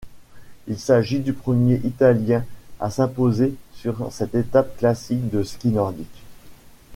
Il s'agit du premier Italien à s'imposer sur cette étape classique du ski nordique.